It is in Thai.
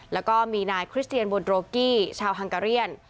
แล้วก็มีนายคริสเตียนบนโรกี้ชาวฮังกาเรียน